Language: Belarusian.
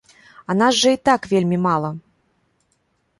А нас жа і так вельмі мала!